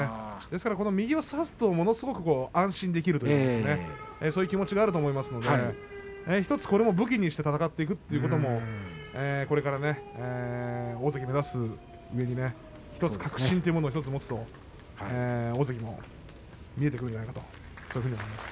右を差すとすごく安心できるというか、そういう気持ちがあると思いますんで１つこれも武器にして戦っていくというのもこれから大関を目指すときに１つ確信というものを１つ持つと大関も見えてくるんじゃないかと思います。